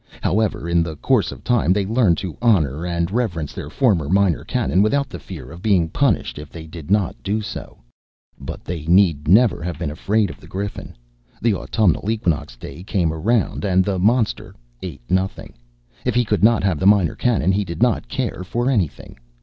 However, in the course of time, they learned to honor and reverence their former Minor Canon without the fear of being punished if they did not do so. But they need never have been afraid of the Griffin. The autumnal equinox day came round, and the monster ate nothing. If he could not have the Minor Canon, he did not care for any thing.